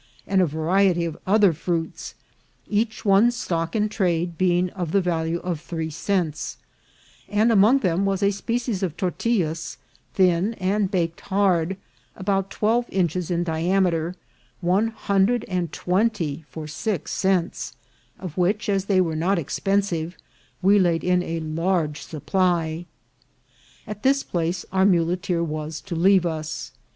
and a variety of other fruits, each one's stock in trade being of the value of three cents; and among them was a species of tortillas, thin and baked hard, about twelve inches in diameter, one hundred and twenty for six cents, of which, as they were not expen* sive, we laid in a large supply. At this place our muleteer was to leave us.